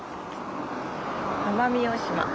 奄美大島。